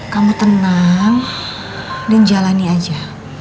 kamu tenang dan jalani aja